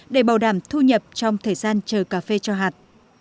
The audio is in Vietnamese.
để bảo đảm thu nhập trong thời gian chờ cà phê cho hạt